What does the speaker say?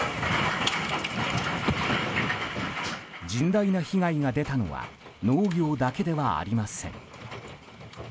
甚大な被害が出たのは農業だけではありません。